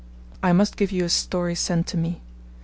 I must give you a story sent to me.